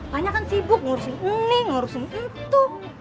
hanya kan sibuk ngurusin ini ngurusin itu